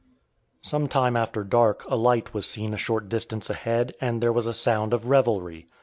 Some time after dark a light was seen a short distance ahead and there was a "sound of revelry."